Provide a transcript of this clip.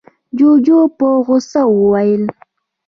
جُوجُو په غوسه وويل: